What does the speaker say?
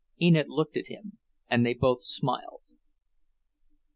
Enid looked at him, and they both smiled.